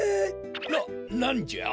ななんじゃ？